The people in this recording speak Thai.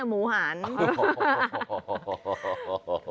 เมนูที่สุดยอด